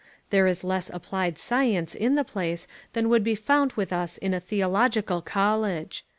There is less Applied Science in the place than would be found with us in a theological college.